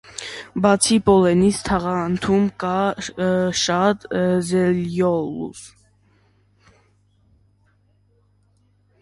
Բացի պոլլենից, թաղանթում կա շատ ցելյուլոզ։